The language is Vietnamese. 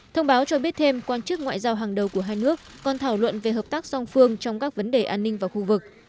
thông báo cho biết thêm quan chức ngoại giao hàng đầu của hai nước còn thảo luận về hợp tác song phương trong các vấn đề an ninh vào khu vực